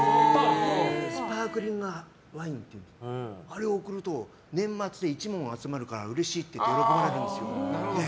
スパークリングワインっていうんですか、あれを贈ると年末、一門集まるからうれしいって喜ばれるんですよ。